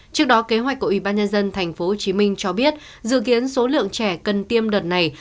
trước đó kế hoạch của ubnd tp hcm cho biết dự kiến số lượng trẻ cần tiêm đợt này